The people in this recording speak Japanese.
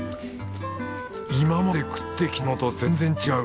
今まで食ってきたものと全然違う。